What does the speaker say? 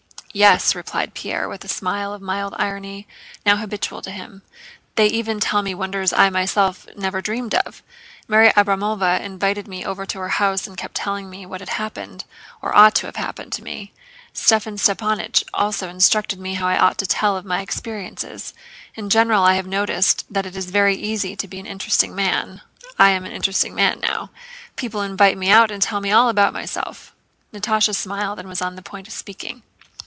"Yes," replied Pierre with the smile of mild irony now habitual to him. "They even tell me wonders I myself never dreamed of! Mary Abrámovna invited me to her house and kept telling me what had happened, or ought to have happened, to me. Stepán Stepánych also instructed me how I ought to tell of my experiences. In general I have noticed that it is very easy to be an interesting man (I am an interesting man now); people invite me out and tell me all about myself." Natásha smiled and was on the point of speaking.